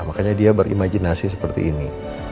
makanya dia berimajinasi seperti ini